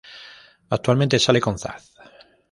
Actualmente sale con Zac.